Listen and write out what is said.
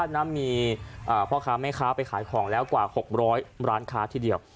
นั้นมีพ่อค้าแม่ค้าไปขายของแล้วกว่า๖๐๐ร้านค้าทีเดียว